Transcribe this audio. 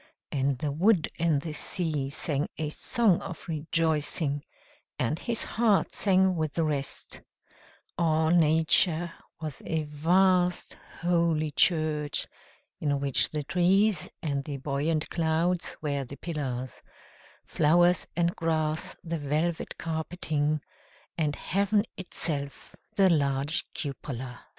And the wood and the sea sang a song of rejoicing, and his heart sang with the rest: all nature was a vast holy church, in which the trees and the buoyant clouds were the pillars, flowers and grass the velvet carpeting, and heaven itself the large cupola.